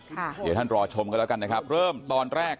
เดี๋ยวท่านรอชมกันแล้วกันนะครับเริ่มตอนแรก